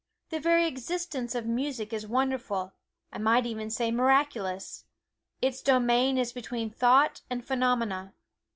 The very existence of music is wonderful, I might even say miraculous. Its domain is between thought and phenomena.